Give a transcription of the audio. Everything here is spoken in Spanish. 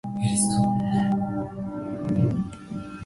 Es uno de los autores de Los protocolos de los sabios de Sion.